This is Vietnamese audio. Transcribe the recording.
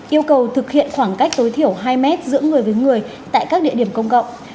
yêu cầu thực hiện khoảng cách tối thiểu hai mét giữa người với người tại các địa điểm công cộng